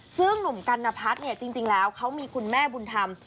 ซึ่งหนุ่มกัณพัฒน์เนี่ยจริงแล้วเขามีคุณแม่บุญธรรม